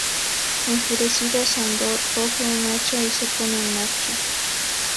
Enfurecido, Sandor coge un hacha y se pone en marcha.